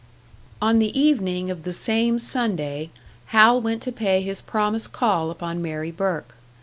On the evening of the same Sunday Hal went to pay his promised call upon Mary Burke.